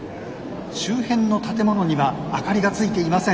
周辺の建物には明かりがついていません。